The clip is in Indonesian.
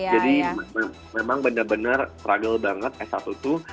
jadi memang benar benar struggle banget s satu tuh